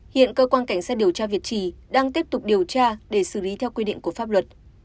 hiện cơ quan cảnh sát điều tra việt trì đang tiếp tục điều tra để xử lý theo quy định của pháp luật